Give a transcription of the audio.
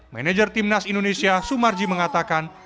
manajer timnas indonesia sumarji mengatakan